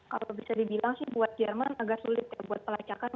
kalau bisa dibilang sih buat jerman agak sulit ya buat pelacakan